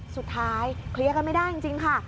เคลียร์กันไม่ได้จริงค่ะ